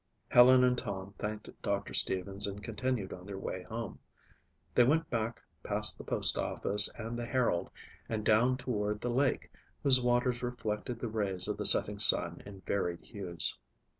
Helen and Tom thanked Doctor Stevens and continued on their way home. They went back past the postoffice and the Herald and down toward the lake, whose waters reflected the rays of the setting sun in varied hues.